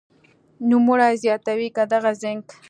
نوموړې زیاتوي که دغه زېنک